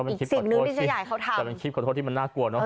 อีกสิ่งนึงดิจัยใหญ่เขาทำแต่เป็นคลิปขอโทษที่มันน่ากลัวเนอะ